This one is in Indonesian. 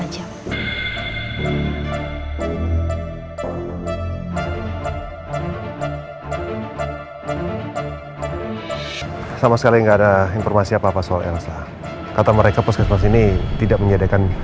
dua puluh empat jam sama sekali enggak ada informasi apa apa soal elsa kata mereka posisi ini tidak menyediakan